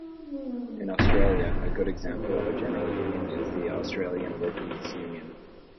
In Australia a good example of a general union is the Australian Workers' Union.